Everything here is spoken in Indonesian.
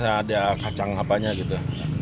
ada kacang apanya gitu